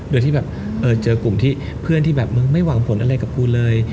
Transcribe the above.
โดยที่แบบเจอกลุ่มที่เพื่อนที่แบบมึงไม่หวังผลอะไรกับกูเลย